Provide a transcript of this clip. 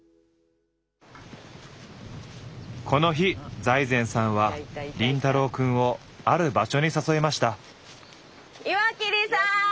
この日財前さんは凛太郎くんをある場所に誘いました。